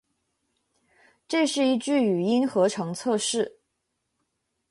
这是一句语音合成测试